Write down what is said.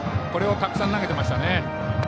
これをたくさん投げていましたね。